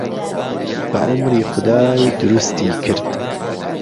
بەعومری خودای دروستی کرد